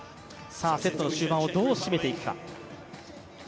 セットの終盤をどう締めていくか。